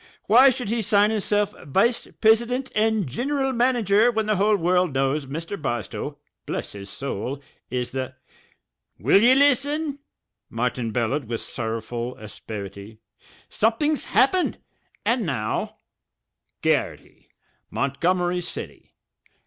Why should he sign hisself vice prisident and giniral manager when the whole world knows Mr. Barstow, bless his soul, is the " "Will ye listen?" Martin bellowed with sorrowful asperity. "Somethin's happened. And now: GARRITY, Montgomery City.